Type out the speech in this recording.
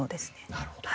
なるほど。